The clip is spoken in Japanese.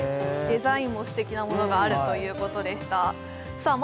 デザインも素敵なものがあるということでしたさあ